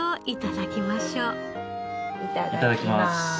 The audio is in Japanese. いただきます。